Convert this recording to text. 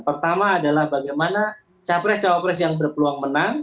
pertama adalah bagaimana capres cawapres yang berpeluang menang